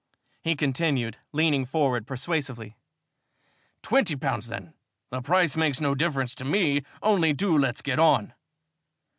he continued, leaning forward persuasively. "Twenty pounds, then? The price makes no difference to me, only do let's get on."